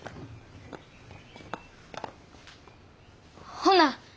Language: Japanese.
ほな